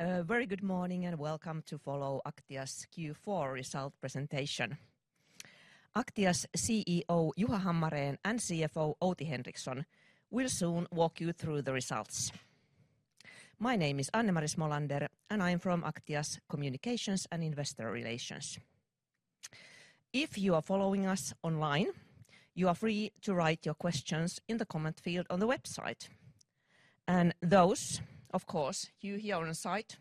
Very good morning, and welcome to follow Aktia's Q4 Result Presentation. Aktia's CEO, Juha Hammarén, and CFO, Outi Henriksson, will soon walk you through the results. My name is Anne-Mari Smolander, and I'm from Aktia's Communications and Investor Relations. If you are following us online, you are free to write your questions in the comment field on the website. And those of you here on site,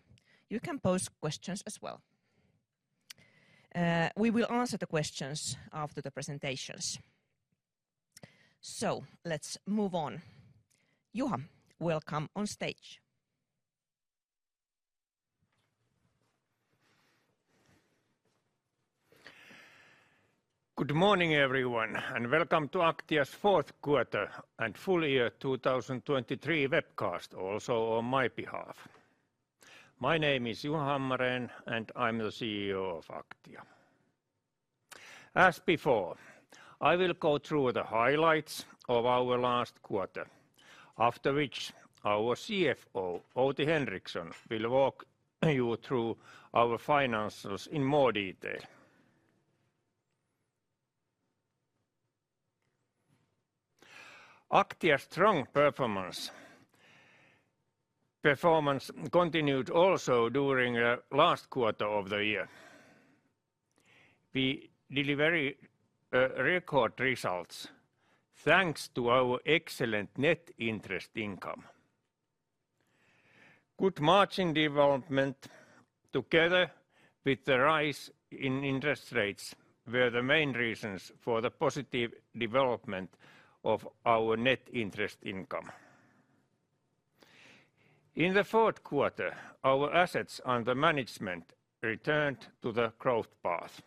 you can pose questions as well. We will answer the questions after the presentations. Let's move on. Juha, welcome on stage. Good morning, everyone, and welcome to Aktia's Fourth Quarter and Full Year 2023 Webcast, also on my behalf. My name is Juha Hammarén, and I'm the CEO of Aktia. As before, I will go through the highlights of our last quarter, after which our CFO, Outi Henriksson, will walk you through our financials in more detail. Aktia's strong performance continued also during the last quarter of the year. We deliver record results, thanks to our excellent net interest income. Good margin development, together with the rise in interest rates, were the main reasons for the positive development of our net interest income. In the fourth quarter, our assets under management returned to the growth path.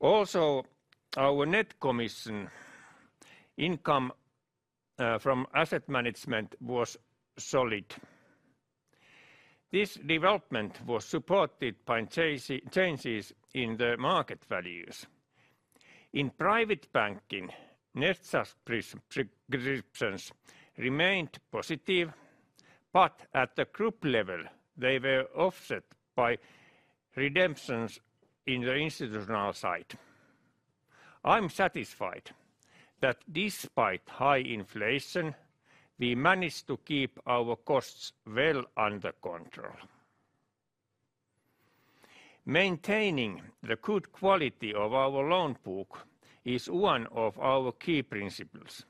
Also, our net commission income from asset management was solid. This development was supported by changes in the market values. In private banking, net subscriptions remained positive, but at the group level, they were offset by redemptions in the institutional side. I'm satisfied that despite high inflation, we managed to keep our costs well under control. Maintaining the good quality of our loan book is one of our key principles.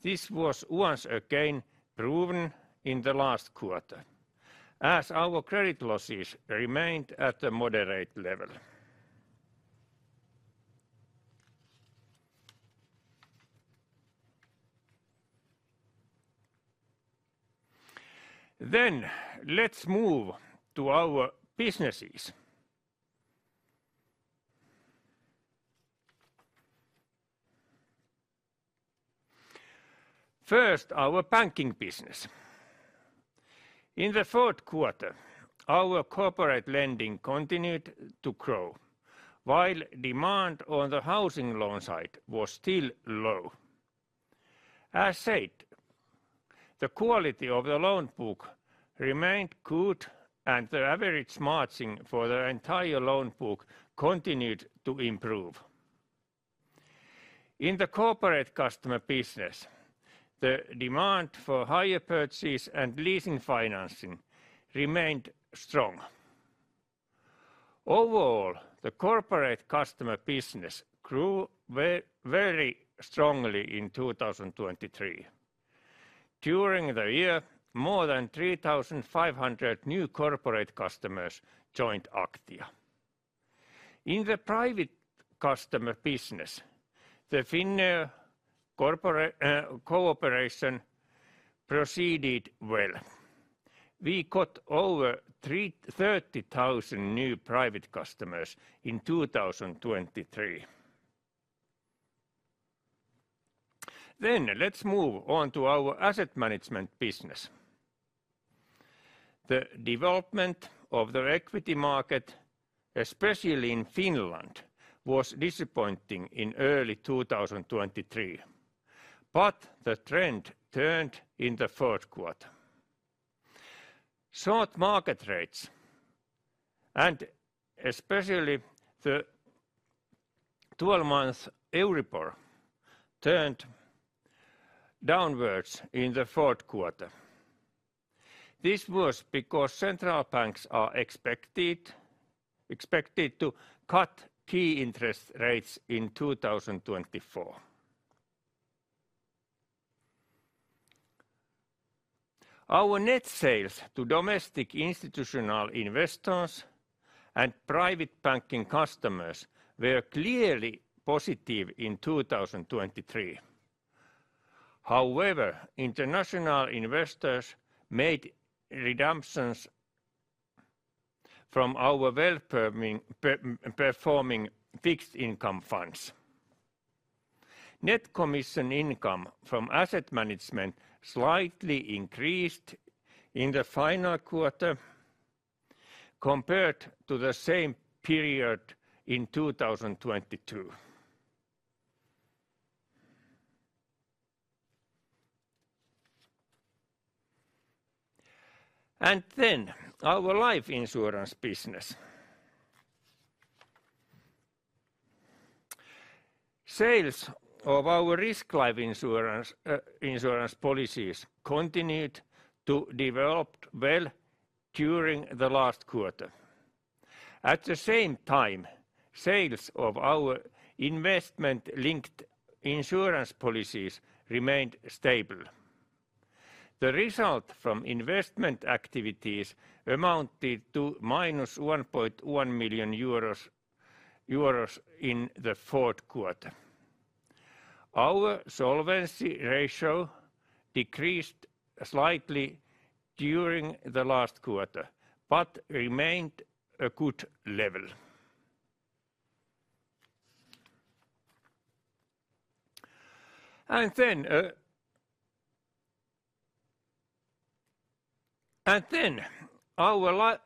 This was once again proven in the last quarter, as our credit losses remained at a moderate level. Let's move to our businesses. First, our banking business. In the fourth quarter, our corporate lending continued to grow, while demand on the housing loan side was still low. As said, the quality of the loan book remained good, and the average margin for the entire loan book continued to improve. In the corporate customer business, the demand for higher purchases and leasing financing remained strong. Overall, the corporate customer business grew very strongly in 2023. During the year, more than 3,500 new corporate customers joined Aktia. In the private customer business, the Finnish corporate cooperation proceeded well. We got over 30,000 new private customers in 2023. Then let's move on to our asset management business. The development of the equity market, especially in Finland, was disappointing in early 2023, but the trend turned in the fourth quarter. Short market rates, and especially the 12-month Euribor, turned downwards in the fourth quarter. This was because central banks are expected to cut key interest rates in 2024. Our net sales to domestic institutional investors and private banking customers were clearly positive in 2023. However, international investors made redemptions from our well-performing fixed income funds. Net commission income from asset management slightly increased in the final quarter compared to the same period in 2022. Then our life insurance business. Sales of our risk life insurance insurance policies continued to develop well during the last quarter. At the same time, sales of our investment-linked insurance policies remained stable. The result from investment activities amounted to -1.1 million euros in the fourth quarter. Our solvency ratio decreased slightly during the last quarter, but remained a good level. And then a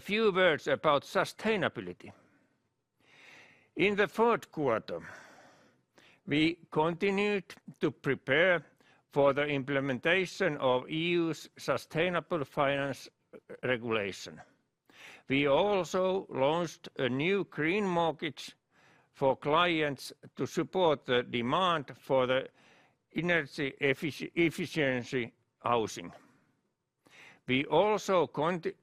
few words about sustainability. In the fourth quarter, we continued to prepare for the implementation of EU's sustainable finance regulation. We also launched a new green mortgage for clients to support the demand for the energy efficiency housing. We also continued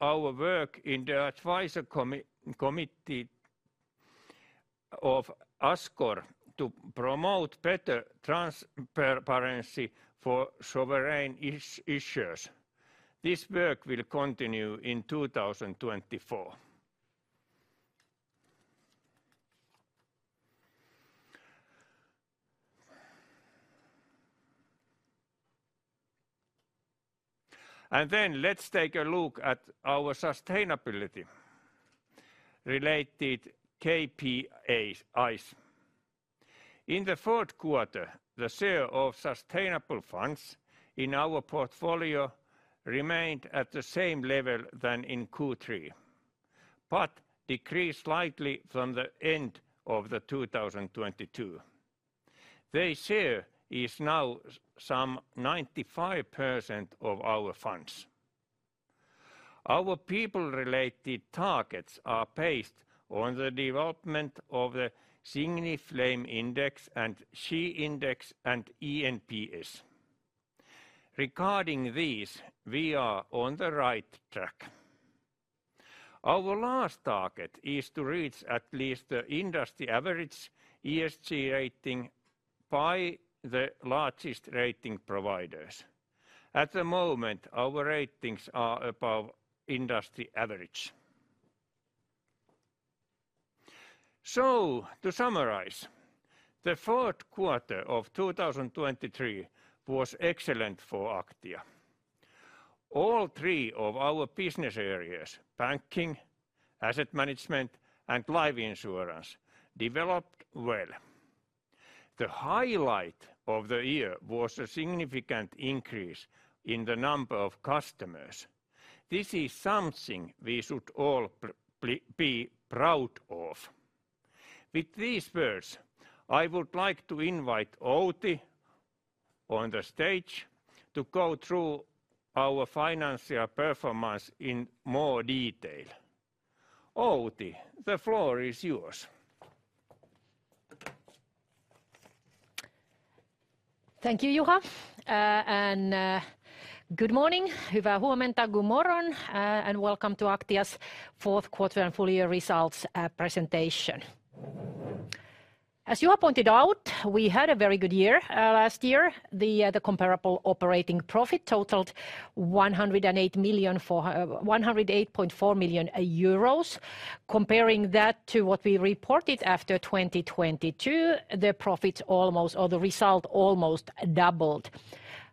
our work in the Advisor Committee of ASCOR to promote better transparency for sovereign issues. This work will continue in 2024. And then let's take a look at our sustainability-related KPIs. In the fourth quarter, the sale of sustainable funds in our portfolio remained at the same level than in Q3, but decreased slightly from the end of 2022. Their share is now some 95% of our funds. Our people-related targets are based on the development of the Siqni Flame Index and SHE Index and eNPS. Regarding these, we are on the right track. Our last target is to reach at least the industry average ESG rating by the largest rating providers. At the moment, our ratings are above industry average. So to summarize, the fourth quarter of 2023 was excellent for Aktia. All three of our business areas, banking, asset management, and life insurance, developed well. The highlight of the year was a significant increase in the number of customers. This is something we should all be proud of. With these words, I would like to invite Outi on the stage to go through our financial performance in more detail. Outi, the floor is yours. Thank you, Juha. And good morning, good morning, and welcome to Aktia's Fourth Quarter and Full Year Results Presentation. As Juha pointed out, we had a very good year last year. The comparable operating profit totaled 108 million, or 108.4 million euros. Comparing that to what we reported after 2022, the profits almost or the result almost doubled.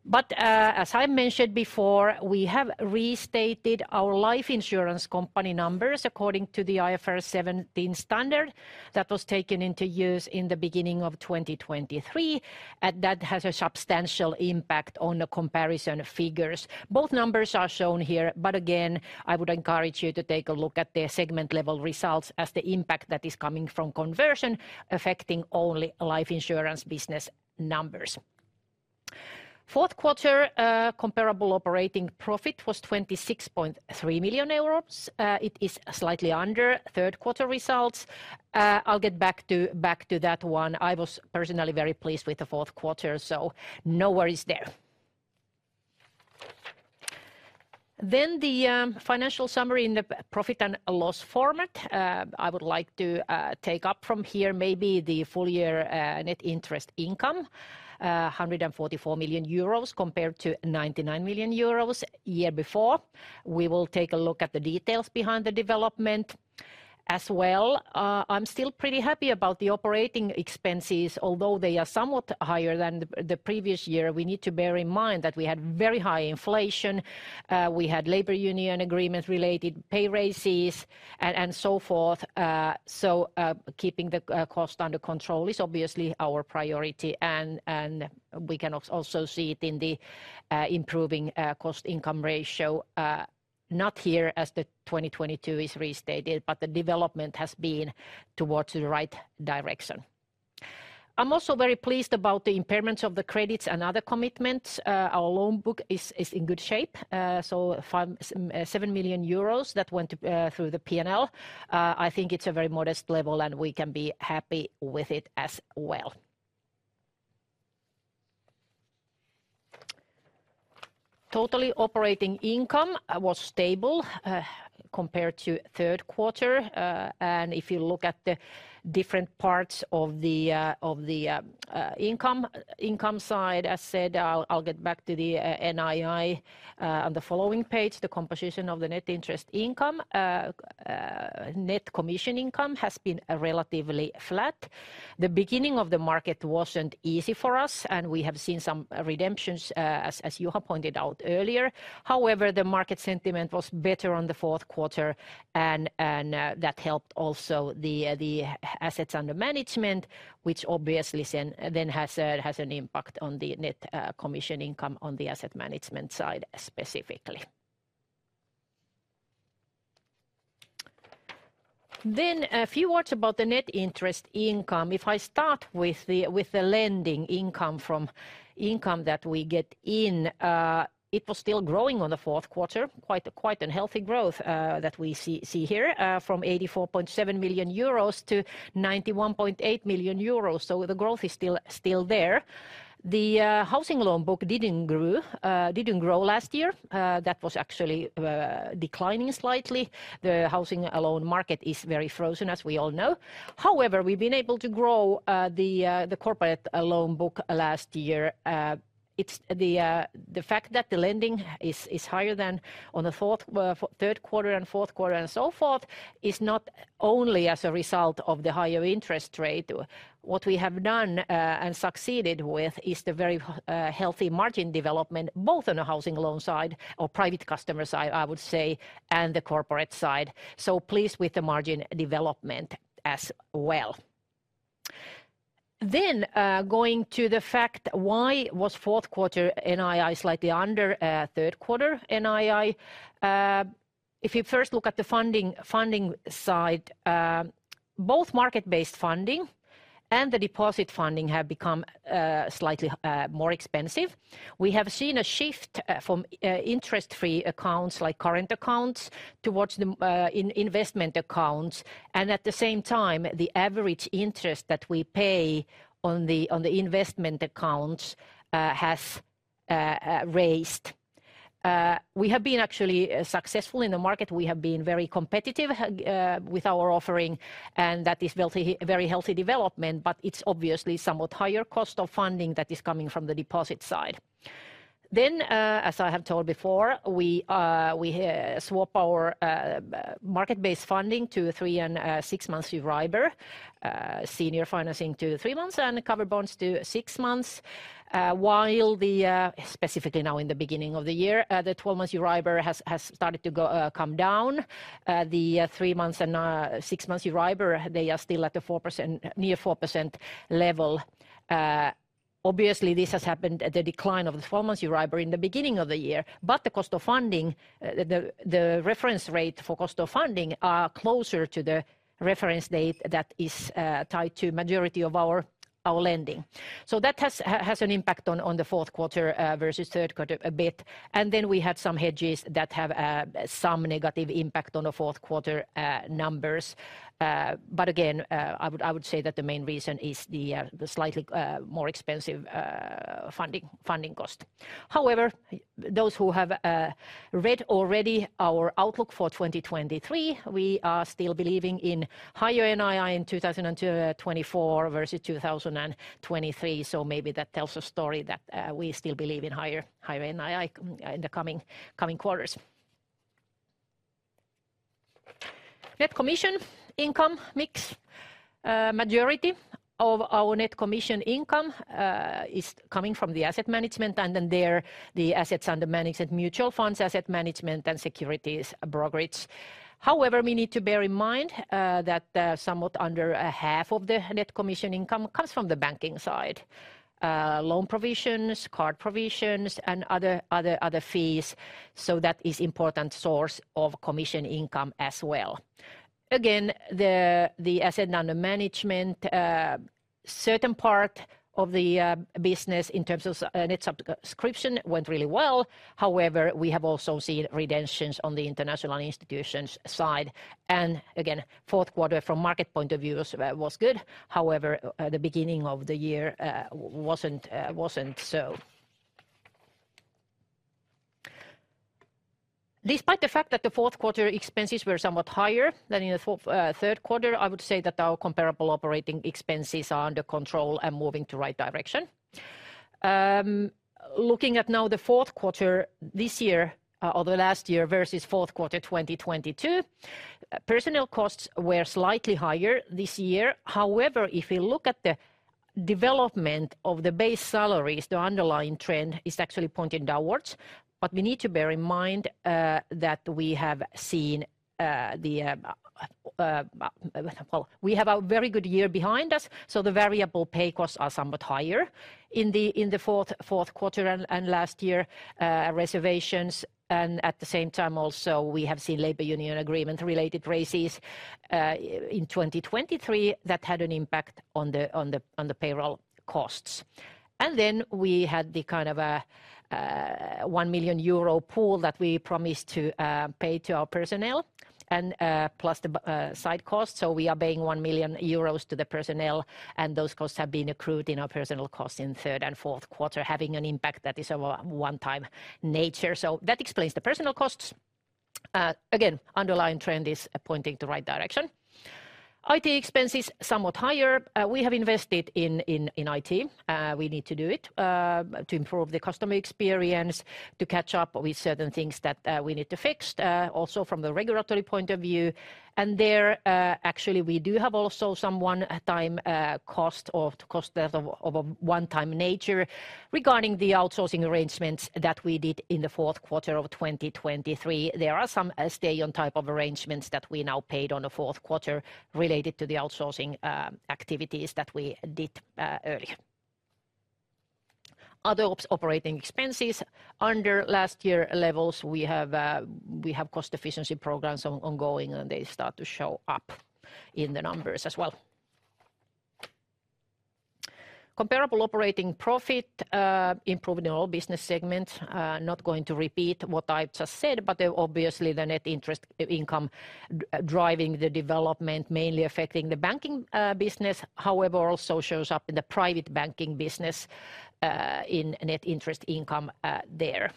But as I mentioned before, we have restated our life insurance company numbers according to the IFRS 17 standard that was taken into use in the beginning of 2023, and that has a substantial impact on the comparison figures. Both numbers are shown here, but again, I would encourage you to take a look at the segment level results as the impact that is coming from conversion affecting only life insurance business numbers. Fourth quarter, comparable operating profit was 26.3 million euros. It is slightly under third quarter results. I'll get back to, back to that one. I was personally very pleased with the fourth quarter, so no worries there. Then the financial summary in the profit and loss format, I would like to take up from here maybe the full year net interest income, 144 million euros compared to 99 million euros year before. We will take a look at the details behind the development as well. I'm still pretty happy about the operating expenses, although they are somewhat higher than the previous year. We need to bear in mind that we had very high inflation, we had labor union agreement related pay raises, and so forth. So, keeping the cost under control is obviously our priority, and we can also see it in the improving cost income ratio, not here as the 2022 is restated, but the development has been towards the right direction. I'm also very pleased about the impairments of the credits and other commitments. Our loan book is in good shape. So 5.7 million euros that went through the P&L. I think it's a very modest level, and we can be happy with it as well. Total operating income was stable compared to third quarter. And if you look at the different parts of the income side, as said, I'll get back to the NII on the following page. The composition of the net interest income. Net commission income has been relatively flat. The beginning of the market wasn't easy for us, and we have seen some redemptions, as Juha pointed out earlier. However, the market sentiment was better on the fourth quarter, and that helped also the assets under management, which obviously then has an impact on the net commission income on the asset management side specifically. Then a few words about the net interest income. If I start with the lending income from income that we get in, it was still growing on the fourth quarter. Quite unhealthy growth that we see here from 84.7 million euros to 91.8 million euros, so the growth is still there. The housing loan book didn't grow last year. That was actually declining slightly. The housing loan market is very frozen, as we all know. However, we've been able to grow the corporate loan book last year. It's the fact that the lending is higher than in the third quarter and fourth quarter and so forth, is not only as a result of the higher interest rate. What we have done and succeeded with is the very healthy margin development, both on the housing loan side or private customer side, I would say, and the corporate side. So pleased with the margin development as well. Then, going to the fact why was fourth quarter NII slightly under third quarter NII? If you first look at the funding side, both market-based funding and the deposit funding have become slightly more expensive. We have seen a shift from interest-free accounts, like current accounts, towards the investment accounts, and at the same time, the average interest that we pay on the investment accounts has raised. We have been actually successful in the market. We have been very competitive with our offering, and that is healthy, very healthy development, but it's obviously somewhat higher cost of funding that is coming from the deposit side. Then, as I have told before, we swap our market-based funding to three and six months Euribor, senior financing to three months and cover bonds to 6 months. While the specifically now in the beginning of the year, the twelve-month Euribor has started to come down. The three-month and six-month Euribor, they are still at the 4%, near 4% level. Obviously, this has happened at the decline of the four-month Euribor in the beginning of the year. But the cost of funding, the reference rate for cost of funding are closer to the reference date that is tied to majority of our lending. So that has an impact on the fourth quarter versus third quarter a bit. And then we had some hedges that have some negative impact on the fourth quarter numbers. But again, I would say that the main reason is the slightly more expensive funding cost. However, those who have read already our outlook for 2023, we are still believing in higher NII in 2024 versus 2023. So maybe that tells a story that we still believe in higher NII in the coming quarters. Net commission income mix. Majority of our net commission income is coming from the asset management, and then the assets under management, mutual funds, asset management, and securities brokerage. However, we need to bear in mind that somewhat under a half of the net commission income comes from the banking side. Loan provisions, card provisions, and other fees, so that is important source of commission income as well. Again, the asset under management, certain part of the business in terms of net subscription went really well. However, we have also seen redemptions on the international institutions side, and again, fourth quarter from market point of view was good. However, the beginning of the year wasn't so. Despite the fact that the fourth quarter expenses were somewhat higher than in the fourth, third quarter, I would say that our comparable operating expenses are under control and moving to right direction. Looking at now the fourth quarter this year, or the last year versus fourth quarter 2022, personnel costs were slightly higher this year. However, if you look at the development of the base salaries, the underlying trend is actually pointing downwards. But we need to bear in mind that we have seen the well, we have a very good year behind us, so the variable pay costs are somewhat higher in the fourth quarter and last year reservations. And at the same time also, we have seen labor union agreement related raises in 2023 that had an impact on the payroll costs. And then we had the kind of a 1 million euro pool that we promised to pay to our personnel, and plus the side costs. So we are paying 1 million euros to the personnel, and those costs have been accrued in our personnel costs in third and fourth quarter, having an impact that is of a one-time nature. So that explains the personnel costs. Again, underlying trend is pointing the right direction. IT expenses somewhat higher. We have invested in IT. We need to do it to improve the customer experience, to catch up with certain things that we need to fix also from the regulatory point of view. And there, actually, we do have also some one-time cost of a one-time nature regarding the outsourcing arrangements that we did in the fourth quarter of 2023. There are some stay-on type of arrangements that we now paid in the fourth quarter related to the outsourcing activities that we did early. Other operating expenses under last year levels. We have cost efficiency programs ongoing, and they start to show up in the numbers as well. Comparable operating profit improving in all business segments. Not going to repeat what I just said, but obviously the net interest income driving the development, mainly affecting the banking business. However, also shows up in the private banking business in net interest income there.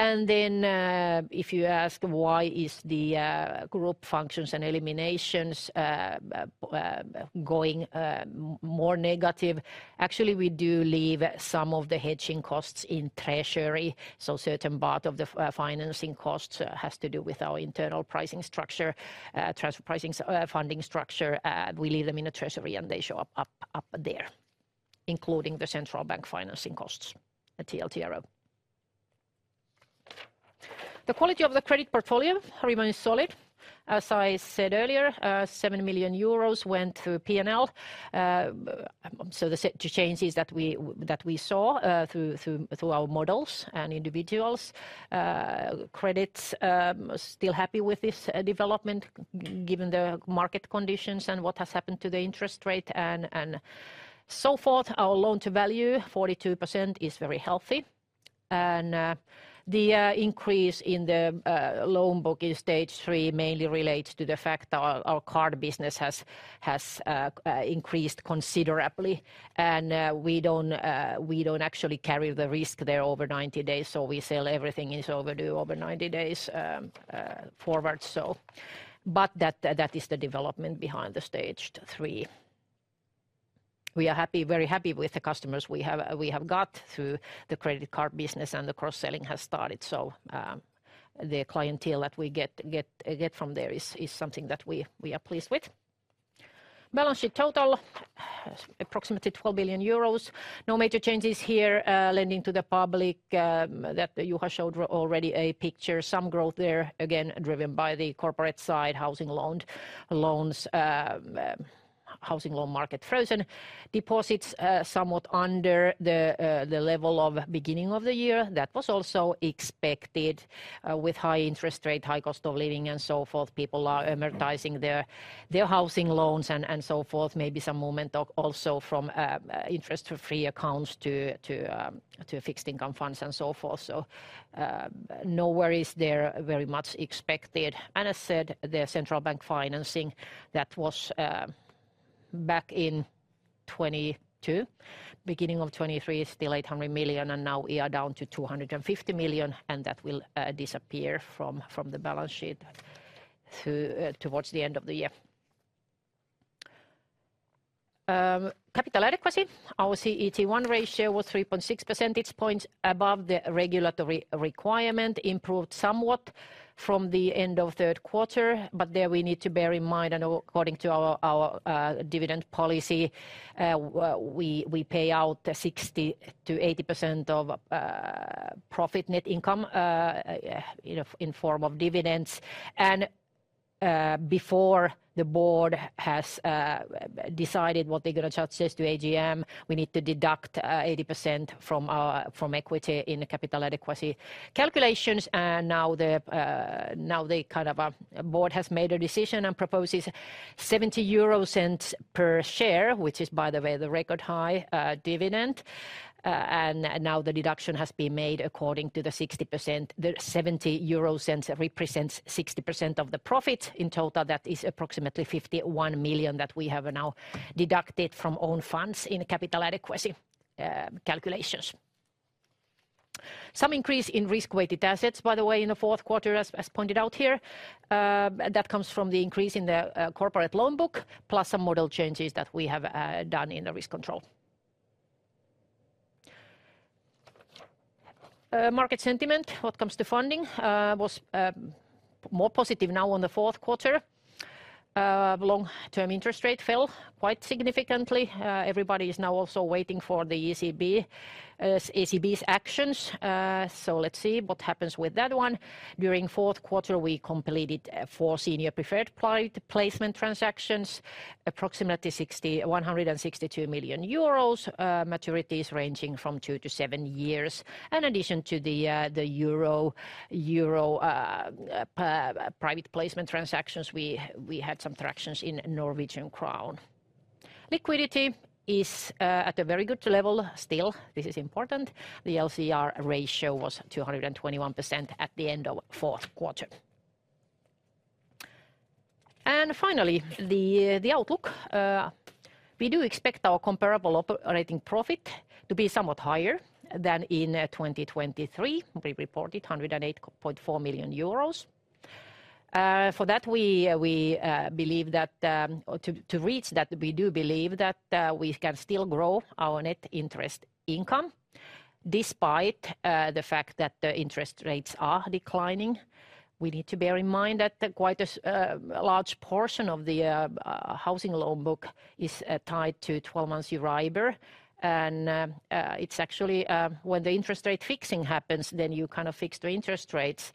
And then, if you ask, why is the group functions and eliminations going more negative? Actually, we do leave some of the hedging costs in treasury, so certain part of the financing costs has to do with our internal pricing structure, transfer pricing, funding structure. We leave them in the treasury, and they show up there, including the central bank financing costs at TLTRO. The quality of the credit portfolio remains solid. As I said earlier, 7 million euros went through P&L. So the changes that we saw through our models and individual credits, still happy with this development, given the market conditions and what has happened to the interest rate and so forth. Our loan-to-value 42% is very healthy. The increase in the loan book in stage three mainly relates to the fact our card business has increased considerably, and we don't actually carry the risk there over 90 days, so we sell everything is overdue over 90 days forward. But that is the development behind the stage three. We are happy, very happy with the customers we have, we have got through the credit card business, and the cross-selling has started. So, the clientele that we get from there is something that we are pleased with. Balance sheet total, approximately 12 billion euros. No major changes here. Lending to the public, that Juha showed already a picture. Some growth there, again, driven by the corporate side, housing loans, housing loan market frozen. Deposits somewhat under the level of beginning of the year. That was also expected with high interest rate, high cost of living, and so forth. People are amortizing their housing loans and so forth. Maybe some movement also from interest-free accounts to fixed income funds and so forth. So no worries there, very much expected. And as said, the central bank financing that was back in 2022, beginning of 2023, is still 800 million, and now we are down to 250 million, and that will disappear from the balance sheet through towards the end of the year. Capital adequacy. Our CET1 ratio was 3.6 percentage points above the regulatory requirement, improved somewhat from the end of third quarter, but there we need to bear in mind, and according to our dividend policy, we pay out 60%-80% of profit net income, you know, in form of dividends. Before the board has decided what they're gonna suggest to AGM, we need to deduct 80% from our equity in the capital adequacy calculations. Now the board has made a decision and proposes 0.70 per share, which is, by the way, the record high dividend. Now the deduction has been made according to the 60%. The 0.70 represents 60% of the profit. In total, that is approximately 51 million that we have now deducted from own funds in capital adequacy calculations. Some increase in risk-weighted assets, by the way, in the fourth quarter, as pointed out here. That comes from the increase in the corporate loan book, plus some model changes that we have done in the risk control. Market sentiment, what comes to funding, was more positive now on the fourth quarter. Long-term interest rate fell quite significantly. Everybody is now also waiting for the ECB, ECB's actions. So let's see what happens with that one. During fourth quarter, we completed 4 senior preferred private placement transactions, approximately 162 million euros, maturities ranging from 2-7 years. In addition to the euro private placement transactions, we had some transactions in Norwegian krone. Liquidity is at a very good level still. This is important. The LCR ratio was 221% at the end of fourth quarter. And finally, the outlook. We do expect our comparable operating profit to be somewhat higher than in 2023. We reported 108.4 million euros. For that, we believe that or to reach that, we do believe that we can still grow our net interest income, despite the fact that the interest rates are declining. We need to bear in mind that quite a large portion of the housing loan book is tied to 12-month Euribor. It's actually, when the interest rate fixing happens, then you kind of fix the interest rates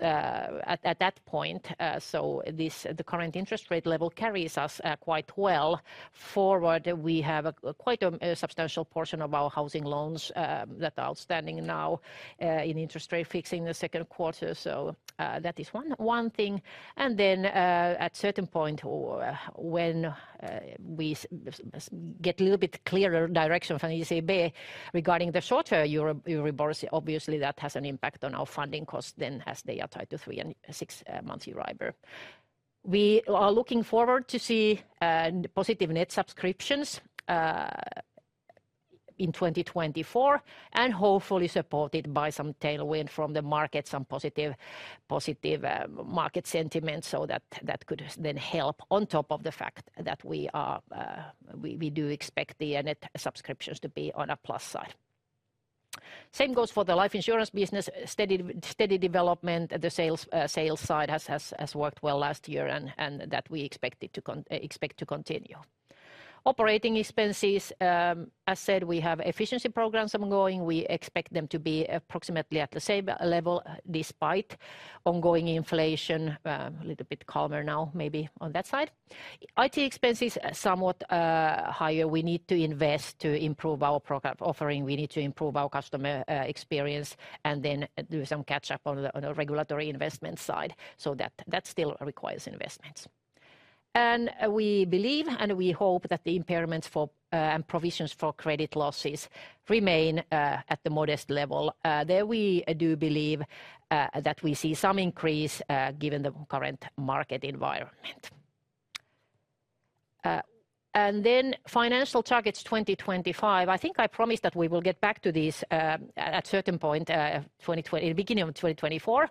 at that point. So the current interest rate level carries us quite well forward. We have quite a substantial portion of our housing loans that are outstanding now in interest rate fixing the second quarter. So that is one thing. And then, at certain point, or when we get a little bit clearer direction from ECB regarding the shorter Euribor, obviously, that has an impact on our funding cost then, as they are tied to three and six month Euribor. We are looking forward to see positive net subscriptions in 2024, and hopefully supported by some tailwind from the market, some positive market sentiment, so that could then help on top of the fact that we do expect the net subscriptions to be on a plus side. Same goes for the life insurance business. Steady development at the sales side has worked well last year, and that we expect it to expect to continue. Operating expenses, as said, we have efficiency programs ongoing. We expect them to be approximately at the same level, despite ongoing inflation. A little bit calmer now, maybe on that side. IT expenses, somewhat higher. We need to invest to improve our product offering. We need to improve our customer experience, and then do some catch-up on the regulatory investment side. So that still requires investments. And we believe, and we hope, that the impairments for and provisions for credit losses remain at the modest level. There we do believe that we see some increase given the current market environment. And then financial targets 2025. I think I promised that we will get back to this at certain point twenty twenty-- beginning of 2024.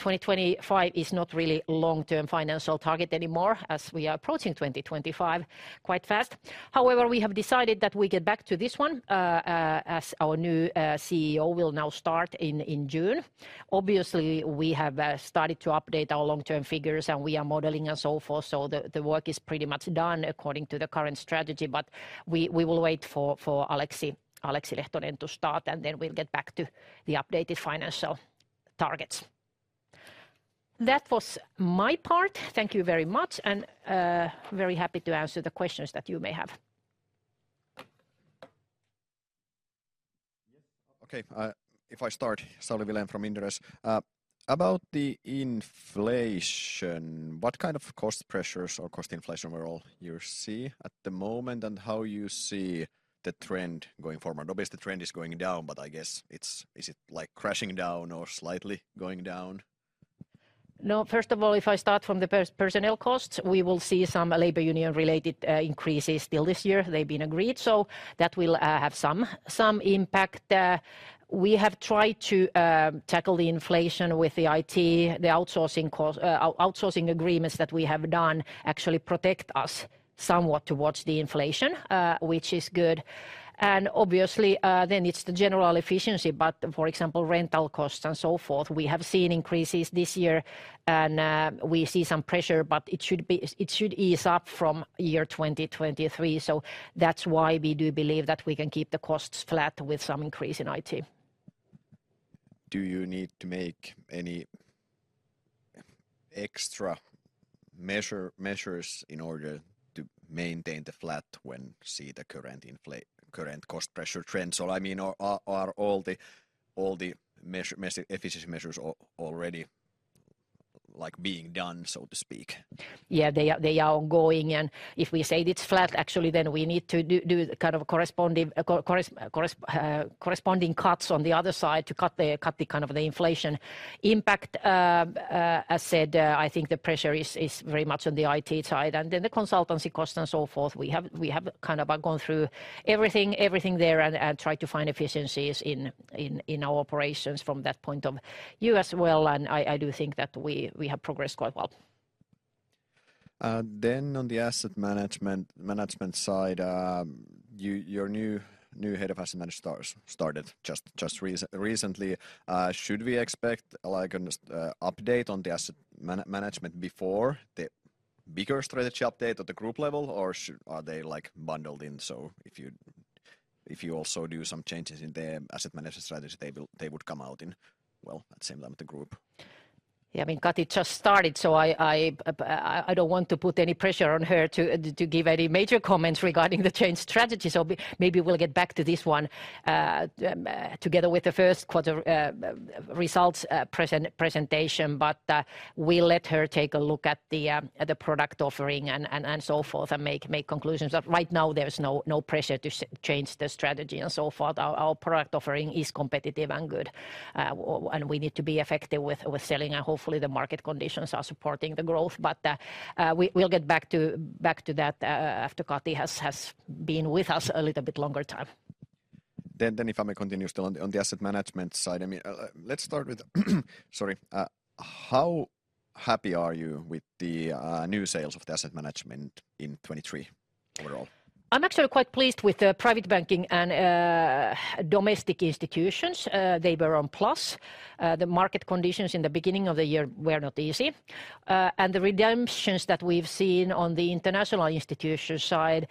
2025 is not really long-term financial target anymore, as we are approaching 2025 quite fast. However, we have decided that we get back to this one as our new CEO will now start in June. Obviously, we have started to update our long-term figures, and we are modeling and so forth, so the work is pretty much done according to the current strategy. But we will wait for Aleksi Lehtonen to start, and then we'll get back to the updated financial targets. That was my part. Thank you very much, and very happy to answer the questions that you may have. Yes. Okay, if I start, Sauli Vilén from Inderes. About the inflation, what kind of cost pressures or cost inflation overall you see at the moment, and how you see the trend going forward? Obviously, the trend is going down, is it, like, crashing down or slightly going down? No, first of all, if I start from the personnel costs, we will see some labor union-related increases still this year. They've been agreed, so that will have some impact. We have tried to tackle the inflation with the IT outsourcing costs, outsourcing agreements that we have done actually protect us somewhat towards the inflation, which is good. And obviously, then it's the general efficiency, but for example, rental costs and so forth, we have seen increases this year, and we see some pressure, but it should ease up from year 2023. So that's why we do believe that we can keep the costs flat with some increase in IT. Do you need to make any extra measures in order to maintain the flat when see the current cost pressure trends? So I mean, are all the efficiency measures already, like, being done, so to speak? Yeah, they are ongoing, and if we say it's flat, actually, then we need to do kind of corresponding cuts on the other side to cut the kind of the inflation impact. As said, I think the pressure is very much on the IT side, and then the consultancy cost and so forth. We have kind of gone through everything there and tried to find efficiencies in our operations from that point of view as well, and I do think that we have progressed quite well. Then on the asset management side, your new head of asset management started just recently. Should we expect, like, an update on the asset management before the bigger strategy update at the group level? Or are they, like, bundled in, so if you also do some changes in the asset management strategy, they will, they would come out in, well, at the same time with the group? Yeah, I mean, Kati just started, so I don't want to put any pressure on her to give any major comments regarding the change strategy. So maybe we'll get back to this one together with the first quarter results presentation. But we let her take a look at the product offering and so forth, and make conclusions. But right now, there's no pressure to change the strategy and so forth. Our product offering is competitive and good, and we need to be effective with selling, and hopefully the market conditions are supporting the growth. But we'll get back to that after Kati has been with us a little bit longer. Then, if I may continue still on the asset management side. Sorry. How happy are you with the new sales of the asset management in 2023 overall? I'm actually quite pleased with the private banking and domestic institutions. They were on plus. The market conditions in the beginning of the year were not easy. And the redemptions that we've seen on the international institution side,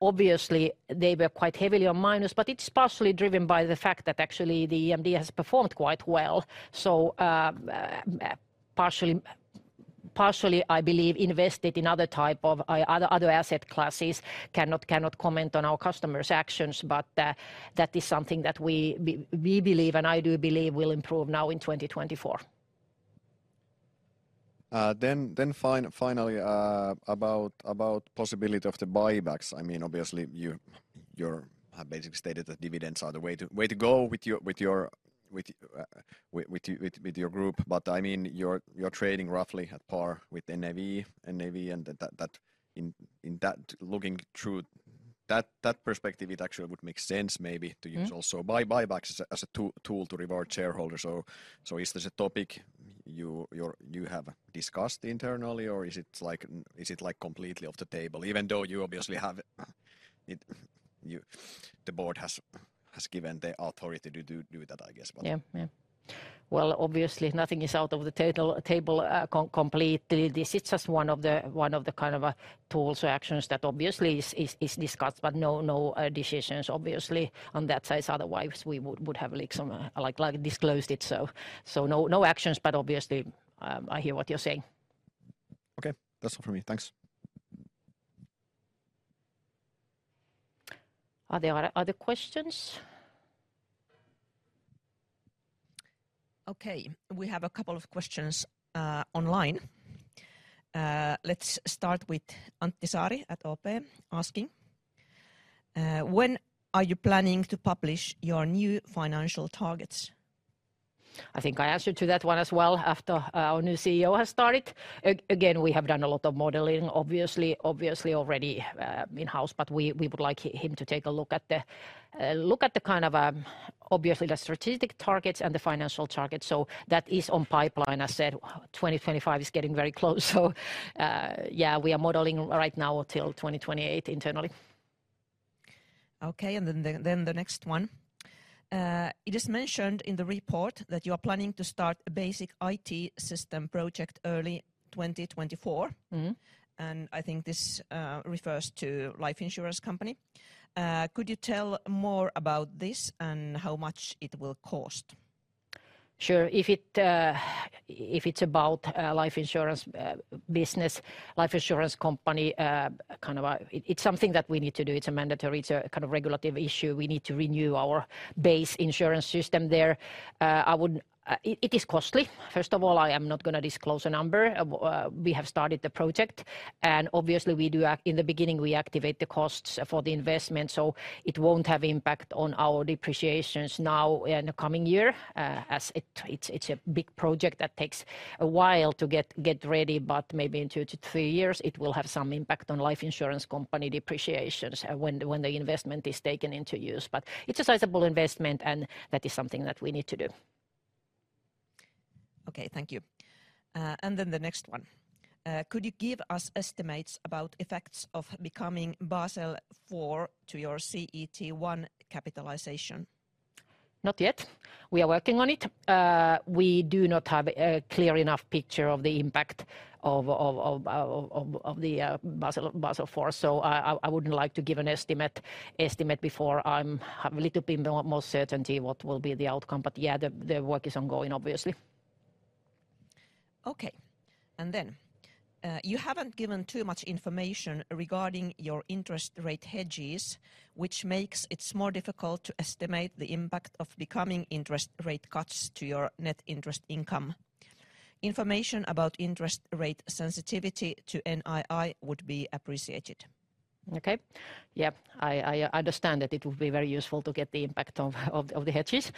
obviously they were quite heavily on minus, but it's partially driven by the fact that actually the EMD has performed quite well. So, partially, I believe, invested in other type of other asset classes. Cannot comment on our customers' actions, but that is something that we believe, and I do believe will improve now in 2024. Finally, about the possibility of the buybacks. I mean, obviously, you have basically stated that dividends are the way to go with your group. But I mean, you're trading roughly at par with NAV, and that, in that perspective, it actually would make sense maybe to use also buybacks as a tool to reward shareholders. So is this a topic you have discussed internally, or is it like completely off the table? Even though you obviously have the board has given the authority to do that, I guess, but- Yeah. Yeah. Well, obviously nothing is out of the table completely. This is just one of the kind of tools or actions that obviously is discussed, but no, no decisions obviously on that side, otherwise we would have leaked some like disclosed it, so, so no, no actions, but obviously I hear what you're saying. Okay, that's all for me. Thanks. Are there other questions? Okay, we have a couple of questions online. Let's start with Antti Saari at OP asking: "When are you planning to publish your new financial targets? I think I answered to that one as well, after our new CEO has started. Again, we have done a lot of modeling, obviously, obviously already, in-house, but we would like him to take a look at the kind of, obviously the strategic targets and the financial targets. So that is in the pipeline. I said 2025 is getting very close, so, yeah, we are modeling right now till 2028 internally. Okay, and then the next one: It is mentioned in the report that you are planning to start a basic IT system project early 2024. I think this refers to life insurance company. Could you tell more about this and how much it will cost? Sure. If it, if it's about, life insurance, business, life insurance company. It's something that we need to do. It's a mandatory, it's a kind of regulatory issue. We need to renew our base insurance system there. It is costly. First of all, I am not gonna disclose a number. We have started the project, and obviously we do act-- In the beginning, we activate the costs for the investment, so it won't have impact on our depreciations now in the coming year, as it, it's, it's a big project that takes a while to get, get ready, but maybe in two to three years, it will have some impact on life insurance company depreciations, when the, when the investment is taken into use. It's a sizable investment, and that is something that we need to do. Okay, thank you. And then the next one: Could you give us estimates about effects of becoming Basel IV to your CET1 capitalization? Not yet. We are working on it. We do not have a clear enough picture of the impact of the Basel IV, so I wouldn't like to give an estimate before I'm have a little bit more certainty what will be the outcome. But yeah, the work is ongoing, obviously. Okay, and then, you haven't given too much information regarding your interest rate hedges, which makes it more difficult to estimate the impact of becoming interest rate cuts to your net interest income. Information about interest rate sensitivity to NII would be appreciated. Okay. Yeah, I understand that it would be very useful to get the impact of the hedges.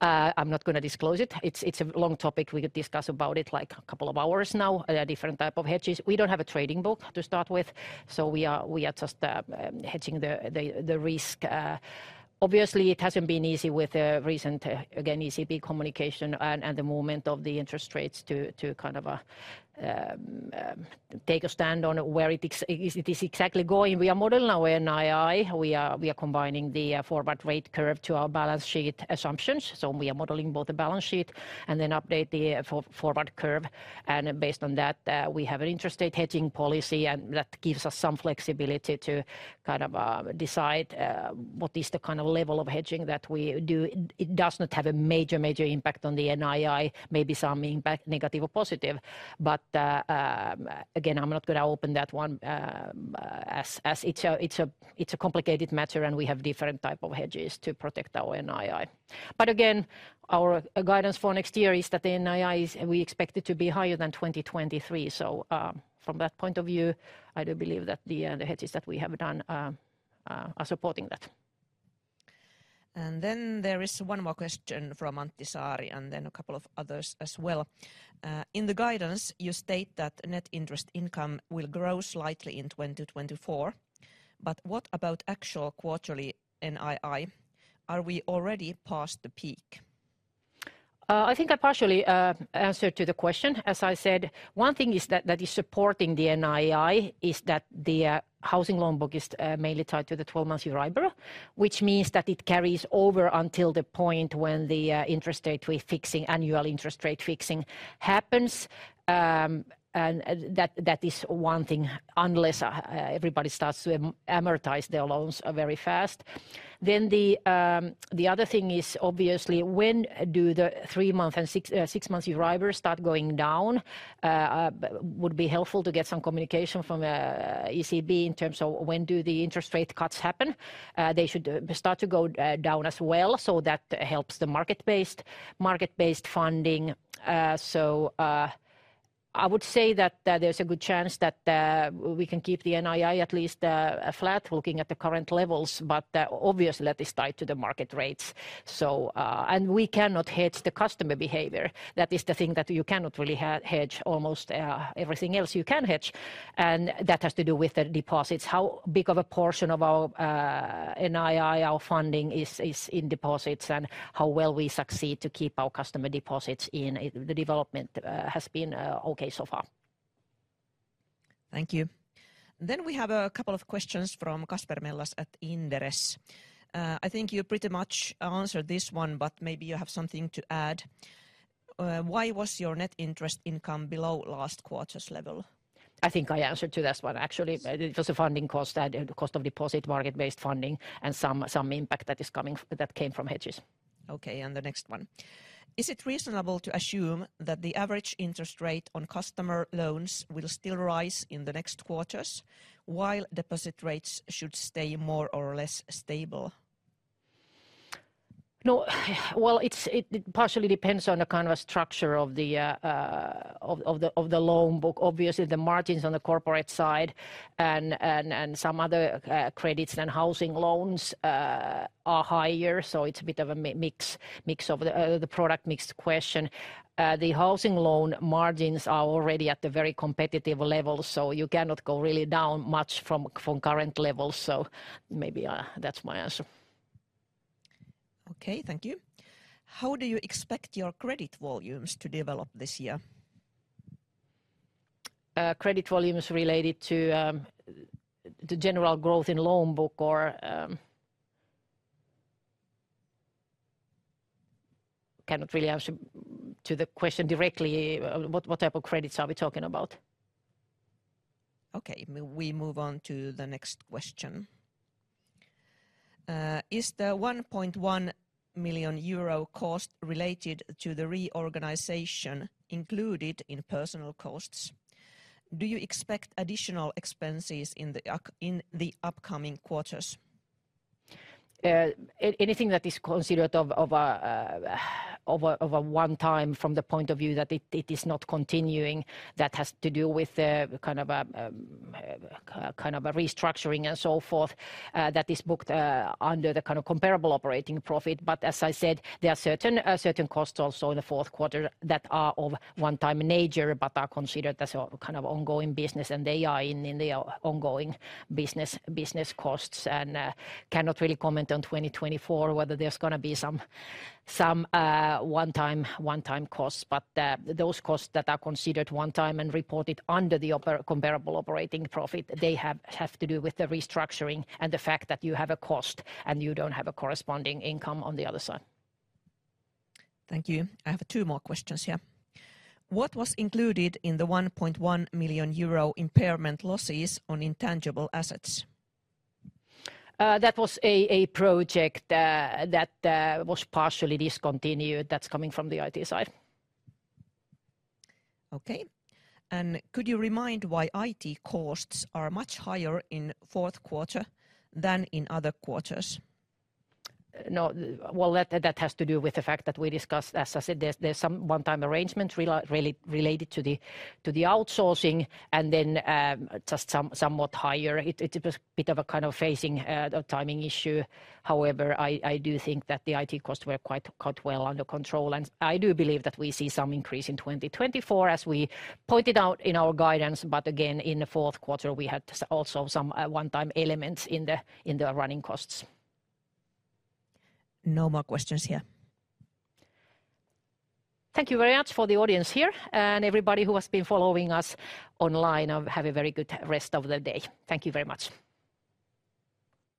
I'm not gonna disclose it. It's a long topic. We could discuss about it, like, a couple of hours now. There are different type of hedges. We don't have a trading book, to start with, so we are just hedging the risk. Obviously, it hasn't been easy with the recent, again, ECB communication and the movement of the interest rates to kind of take a stand on where it is exactly going. We are modeling our NII. We are combining the forward rate curve to our balance sheet assumptions, so we are modeling both the balance sheet and then update the forward curve. Based on that, we have an interest rate hedging policy, and that gives us some flexibility to kind of decide what is the kind of level of hedging that we do. It does not have a major, major impact on the NII, maybe some impact, negative or positive. But again, I'm not gonna open that one, as it's a complicated matter, and we have different type of hedges to protect our NII. But again, our guidance for next year is that the NII, we expect it to be higher than 2023. So, from that point of view, I do believe that the hedges that we have done are supporting that. And then there is one more question from Antti Saari and then a couple of others as well. In the guidance, you state that net interest income will grow slightly in 2024, but what about actual quarterly NII? Are we already past the peak? I think I partially answered to the question. As I said, one thing is that, that is supporting the NII is that the housing loan book is mainly tied to the 12-month Euribor, which means that it carries over until the point when the interest rate refixing, annual interest rate fixing happens. And that is one thing, unless everybody starts to amortize their loans very fast. Then the other thing is obviously when do the 3-month and 6-month Euribor start going down? Would be helpful to get some communication from ECB in terms of when do the interest rate cuts happen. They should start to go down as well, so that helps the market-based funding. So, I would say that there's a good chance that we can keep the NII at least flat, looking at the current levels, but obviously that is tied to the market rates. So, and we cannot hedge the customer behavior. That is the thing that you cannot really hedge. Almost everything else you can hedge, and that has to do with the deposits. How big of a portion of our NII our funding is in deposits, and how well we succeed to keep our customer deposits in the development has been okay so far. Thank you. Then we have a couple of questions from Kasper Mellas at Inderes. I think you pretty much answered this one, but maybe you have something to add. Why was your net interest income below last quarter's level? I think I answered to this one actually. It was a funding cost and the cost of deposit, market-based funding, and some impact that is coming, that came from hedges. Okay, and the next one: Is it reasonable to assume that the average interest rate on customer loans will still rise in the next quarters, while deposit rates should stay more or less stable? No. Well, it partially depends on the kind of structure of the loan book. Obviously, the margins on the corporate side and some other credits and housing loans are higher, so it's a bit of a mix of the product mix question. The housing loan margins are already at a very competitive level, so you cannot go really down much from current levels. So maybe that's my answer. Okay, thank you. How do you expect your credit volumes to develop this year? Credit volumes related to the general growth in loan book or cannot really answer to the question directly. What type of credits are we talking about? Okay, we move on to the next question. Is the 1.1 million euro cost related to the reorganization included in personnel costs? Do you expect additional expenses in the upcoming quarters? Anything that is considered of a one-time from the point of view that it is not continuing, that has to do with the kind of restructuring and so forth, that is booked under the kind of comparable operating profit. But as I said, there are certain costs also in the fourth quarter that are of one-time nature, but are considered as a kind of ongoing business, and they are in the ongoing business costs, and cannot really comment on 2024, whether there's gonna be some one-time costs. But those costs that are considered one-time and reported under the comparable operating profit, they have to do with the restructuring and the fact that you have a cost, and you don't have a corresponding income on the other side. Thank you. I have two more questions here. What was included in the 1.1 million euro impairment losses on intangible assets? That was a project that was partially discontinued. That's coming from the IT side. Okay, and could you remind why IT costs are much higher in fourth quarter than in other quarters? No, well, that has to do with the fact that we discussed. As I said, there's some one-time arrangements related to the outsourcing, and then just somewhat higher. It's a bit of a kind of phasing, timing issue. However, I do think that the IT costs were quite, quite well under control, and I do believe that we see some increase in 2024, as we pointed out in our guidance, but again, in the fourth quarter. Also some one-time elements in the running costs. No more questions here. Thank you very much for the audience here, and everybody who has been following us online. Have a very good rest of the day. Thank you very much.